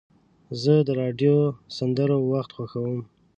زه د راډیو د سندرو وخت خوښوم.